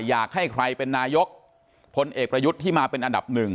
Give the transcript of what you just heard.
อยากให้ใครเป็นนายกพลเอกประยุทธ์ที่มาเป็นอันดับหนึ่ง